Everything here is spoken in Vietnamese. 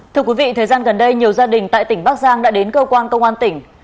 thưa quý vị thời gian gần đây nhiều gia đình tại tỉnh bắc giang đã đến cơ quan công an tỉnh